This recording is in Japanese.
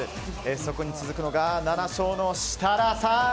そこに続くのが７勝の設楽さん。